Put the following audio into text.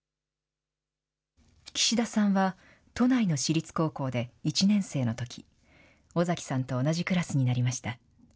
岸田さんは都内の私立高校で１年生のとき、尾崎さんと同じクラスになりました。